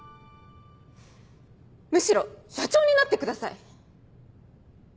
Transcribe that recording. むしろ社長になってください。